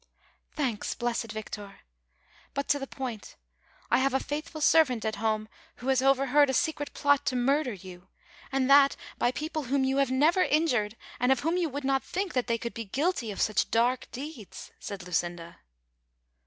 "• Thanks, blessed Victor. But to the point; I have a faithful servant at home, who has overheard a secret plot to murder you, and that by people Avhom you have never injured, and of whom you would not think that they could be guilty of such dark deeds," said Lucinda.